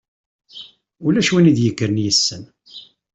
Ulac win i d-yekkren yessen.